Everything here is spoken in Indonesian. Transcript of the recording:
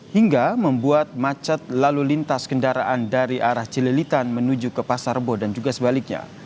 hingga membuat macet lalu lintas kendaraan dari arah cililitan menuju ke pasarbo dan juga sebaliknya